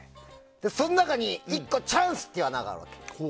そん中に１個チャンスっていう穴があるの。